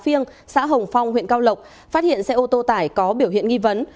các thông tin khác xã hồng phong huyện cao lộc phát hiện xe ô tô tải có biểu hiện nghi vấn